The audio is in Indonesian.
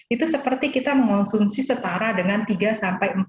itu seperti kita mengonsumsi setara dengan tiga empat butir putih telur